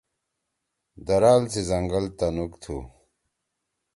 درال سی زنگل تَنُوک تُھو۔